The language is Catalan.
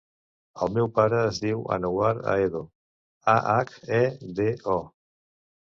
El meu pare es diu Anouar Ahedo: a, hac, e, de, o.